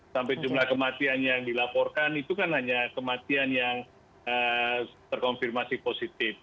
sampai jumlah kematian yang dilaporkan itu kan hanya kematian yang terkonfirmasi positif